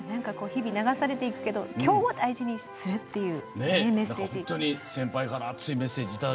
日々、流されていくけれど今日を大事にしていくというメッセージ。